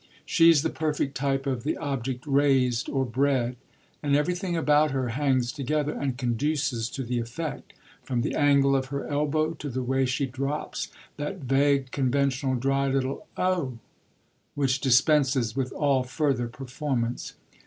She's the perfect type of the object raised or bred, and everything about her hangs together and conduces to the effect, from the angle of her elbow to the way she drops that vague, conventional, dry little 'Oh!' which dispenses with all further performance.